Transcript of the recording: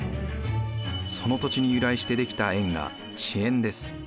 その土地に由来して出来た縁が地縁です。